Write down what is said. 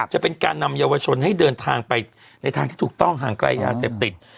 จะเป็นการนำเยาวชนให้เดินทางไปในทางที่ถูกต้องห่างไกลยาเสพติด